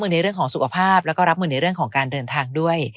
ในเรื่องของสุขภาพแล้วก็รับมือในเรื่องของการเดินทางด้วย